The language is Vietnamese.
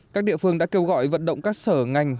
các địa phương đã kêu gọi vận động các sở ngành